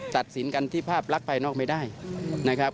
ตัดสินกันที่ภาพลักษณ์ภายนอกไม่ได้นะครับ